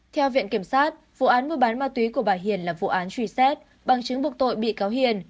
theo viện kiểm sát vụ án mua bán ma túy của bà hiền là vụ án truy xét bằng chứng bục tội bị cáo hiền